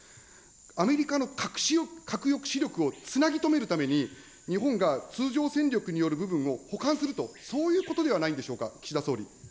アメリカの核抑止力をつなぎとめるために、日本が通常戦力による部分を補完すると、そういうことではないんでしょうか。